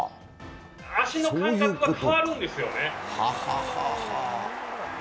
足の感覚が変わるんですよね。